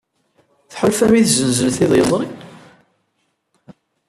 Tḥulfam i tzenzelt iḍ yezrin?